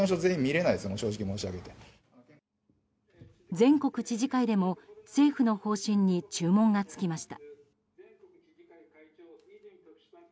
全国知事会でも政府の方針に注文がつきました。